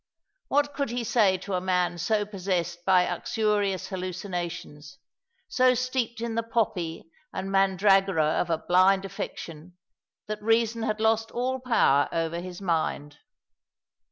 What could he say to a man so possessed by uxorious hallucinations, so steeped in the poppy and mandragora of a blind affection, that reason had lost all power over his mind.